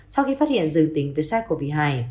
sau khi phát hiện dừng tính với sars cov hai